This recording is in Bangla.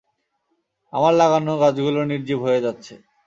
আমার লাগানো গাছগুলো নির্জীব হয়ে যাচ্ছে।